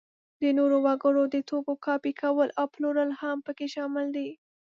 د نورو وګړو د توکو کاپي کول او پلورل هم په کې شامل دي.